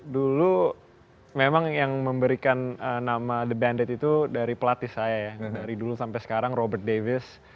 dulu memang yang memberikan nama the bandit itu dari pelatih saya ya dari dulu sampai sekarang robert davis